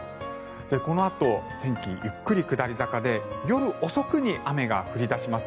このあと天気、ゆっくり下り坂で夜遅くに雨が降り出します。